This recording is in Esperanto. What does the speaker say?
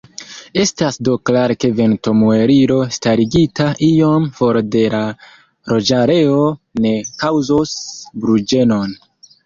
Estas do klare, ke ventomuelilo starigita iom for de loĝareo ne kaŭzos bruĝenon.